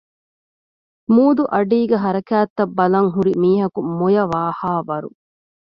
މޫދުއަޑީގެ ހަރަކާތްތައް ބަލަން ހުރި މީހަކު މޮޔަވާހާވަރު